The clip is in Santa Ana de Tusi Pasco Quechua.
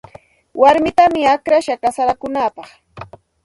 Warmitam akllashaq kasarakunaapaq.